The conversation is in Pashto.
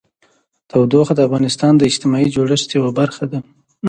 تودوخه د افغانستان د اجتماعي جوړښت یوه برخه ده.